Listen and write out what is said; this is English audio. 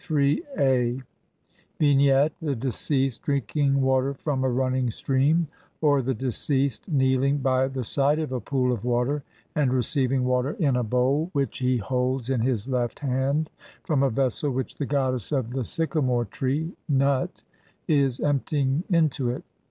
10,477, sheet 7) ] Vignette : The deceased drinking water from a running stream, or the deceased kneeling by the side of a pool of water and receiving water in a THE CHAPTER OF NOT BEING SCALDED. 1 1 1 bowl, which he holds in his left hand, from a vessel which the goddess of the sycamore tree (Nut) is emptying into it.